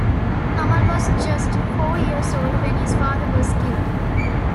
Kamal was just four years old when his father was killed.